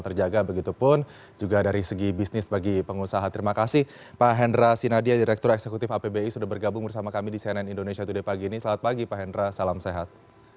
terima kasih pak hendra sinadia direktur eksekutif apbi sudah bergabung bersama kami di cnn indonesia today pagi ini selamat pagi pak hendra salam sehat